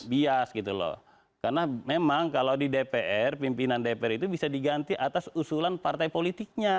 bias gitu loh karena memang kalau di dpr pimpinan dpr itu bisa diganti atas usulan partai politiknya